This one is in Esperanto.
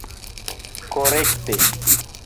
korekte